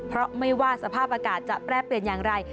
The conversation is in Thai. เพราะไม่ว่าสภาพอากาศจะแปรเปลี่ยนอย่างไร